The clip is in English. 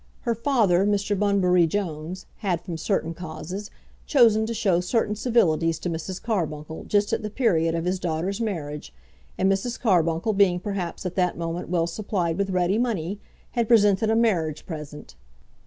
Her father, Mr. Bunbury Jones, had, from certain causes, chosen to show certain civilities to Mrs. Carbuncle just at the period of his daughter's marriage, and Mrs. Carbuncle being perhaps at that moment well supplied with ready money, had presented a marriage present.